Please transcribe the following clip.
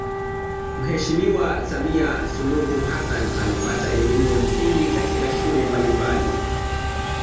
Mheshimiwa Samia Suluhu Hassan alipata elimu ya msingi katika shule mbalimbali